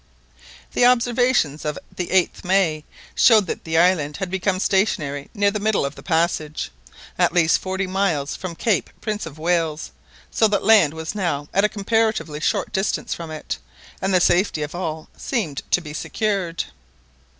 The observations of the 8th May showed that the island had become stationary near the middle of the passage, at least forty miles from Cape Prince of Wales, so that land was now at a comparatively short distance from it, and the safety of all seemed to be secured.